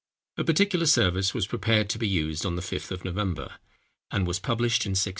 ] A particular service was prepared to be used on the Fifth of November, and was published in 1606.